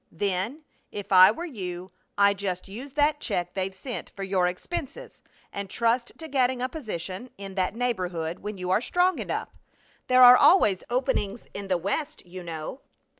Then if I were you I'd just use that check they've sent for your expenses, and trust to getting a position, in that neighborhood when you are strong enough. There are always openings in the West, you know."